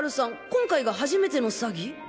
今回が初めての詐欺？